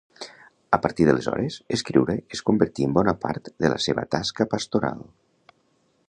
A partir d'aleshores, escriure es convertí en bona part de la seva tasca pastoral.